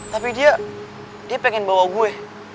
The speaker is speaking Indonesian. tapi dia pengen bawa gue